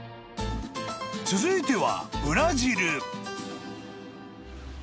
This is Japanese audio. ［続いては］